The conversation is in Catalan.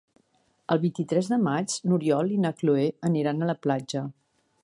El vint-i-tres de maig n'Oriol i na Cloè aniran a la platja.